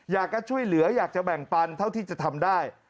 อยากจะช่วยเหลืออยากจะแบ่งปันเท่าที่จะทำได้